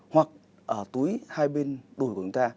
hoặc ở túi hai bên đùi của chúng ta